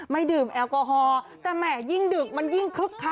ดื่มแอลกอฮอล์แต่แหมยิ่งดึกมันยิ่งคึกคัก